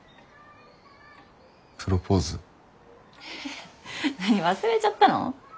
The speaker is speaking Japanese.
えっ何忘れちゃったの？